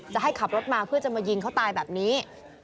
จะให้ขับรถมาเพื่อจะมายิงเขาตายแบบนี้